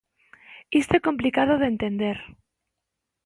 ¡Isto é complicado de entender!